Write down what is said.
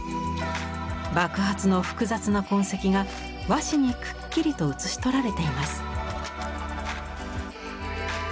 爆発の複雑な痕跡が和紙にくっきりと写し取られています。